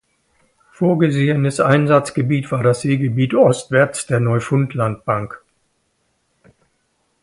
Vorgesehenes Einsatzgebiet war das Seegebiet ostwärts der Neufundlandbank.